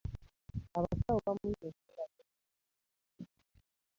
Abasawo bamuyita okumulaga ekizimba.